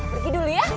pergi dulu ya